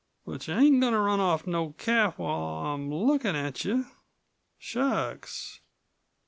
... But you ain't goin' to run off no calf while I'm lookin' at you. Shucks!